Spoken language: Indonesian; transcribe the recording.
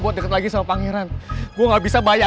ini konsekuensi kita karena kita udah bohong sama om alex